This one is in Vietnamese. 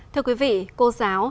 thưa quý vị cô giáo